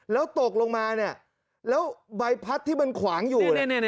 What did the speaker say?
แล้วโตกลงมาบายพัดที่มันขวางอยู่